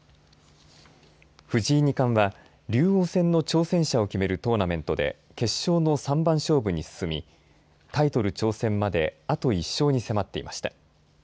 藤井二冠は竜王戦の挑戦者を決めるトーナメントで決勝の三番勝負に進みタイトル挑戦まであと１勝に迫っていました。